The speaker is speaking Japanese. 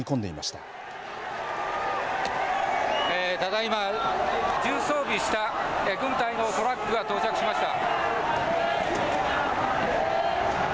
ただいま重装備した軍隊のトラックが到着しました。